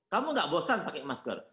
kamu gak bosan pakai masker